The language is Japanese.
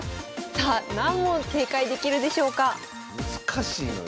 さあ何問正解できるでしょうか難しいのよ